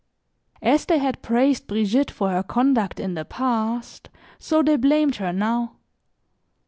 As they had praised Brigitte for her conduct in the past, so they blamed her now.